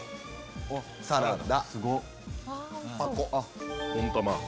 サラダ。